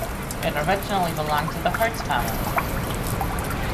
It originally belonged to the Herz family.